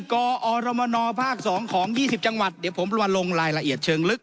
กออรมนอภาคสองของยี่สิบจังหวัดเดี๋ยวผมลวนลงรายละเอียดเชิงลึก